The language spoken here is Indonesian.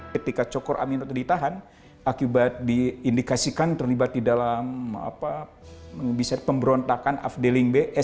ketika soekarno ditahan international